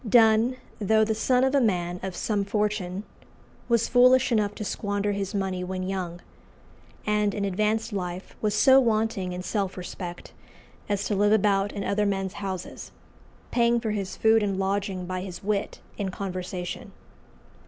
Donne, though the son of a man of some fortune, was foolish enough to squander his money when young, and in advanced life was so wanting in self respect as to live about in other men's houses, paying for his food and lodging by his wit and conversation.